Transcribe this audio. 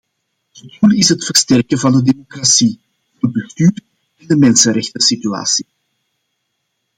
Het doel is het versterken van de democratie, goed bestuur en de mensenrechtensituatie.